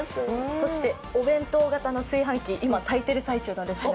そしてお弁当型の炊飯器、今炊いている最中です。